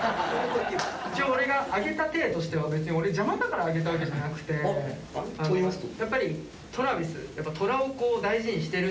一応オレがあげたていとしては別にオレ邪魔だからあげたわけじゃなくて。といいますと？